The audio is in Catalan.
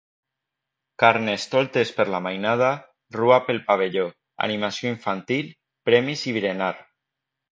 Carnestoltes per la mainada, rua pel pavelló, animació infantil, premis i berenar.